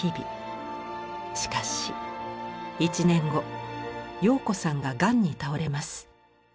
しかし１年後陽子さんががんに倒れます。